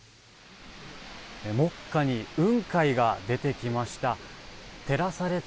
目下に雲海が出てきました。